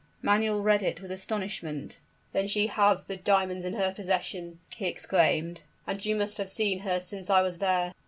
Manuel read it with astonishment. "Then she has the diamonds in her possession!" he exclaimed; "and you must have seen her since I was there!"